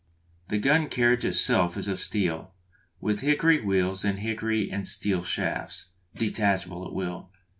The gun carriage itself is of steel, with hickory wheels and hickory and steel shafts, detachable at will.